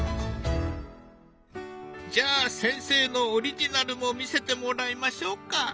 じゃあ先生のオリジナルも見せてもらいましょうか。